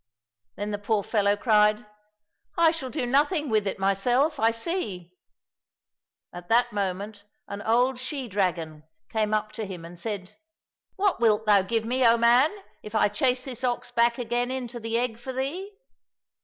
Then the poor fellow cried, " I shall do nothing with it myself, I see." — ^At that moment an old she dragon came up to him and said, '' What wilt thou give me, O man, if I chase this ox back again into the egg for thee